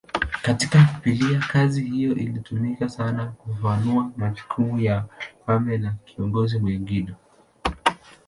Katika Biblia kazi hiyo ilitumika sana kufafanua majukumu ya wafalme na viongozi wengine.